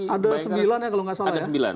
ada sembilan ya kalau tidak salah